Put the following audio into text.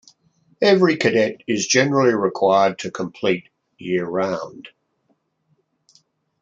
Every cadet is generally required to compete year-round.